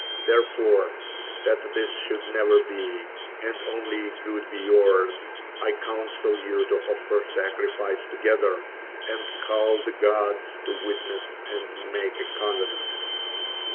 Therefore, that this should never be, and only good be yours, I counsel you to offer sacrifice together, and call the gods to witness and make a covenant.